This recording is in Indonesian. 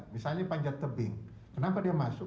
misalnya panjat tebing kenapa dia masuk